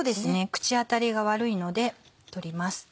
口当たりが悪いので取ります。